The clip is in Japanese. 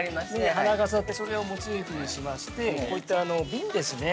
◆花笠って、それをモチーフにしまして、こういったびんですね。